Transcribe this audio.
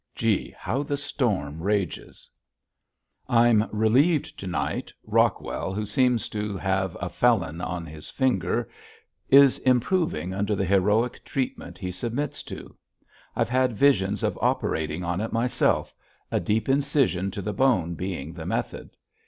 Gee, how the storm rages! I'm relieved to night; Rockwell, who seems to have a felon on his finger, is improving under the heroic treatment he submits to. I've had visions of operating on it myself a deep incision to the bone being the method.